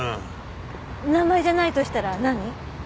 名前じゃないとしたら何？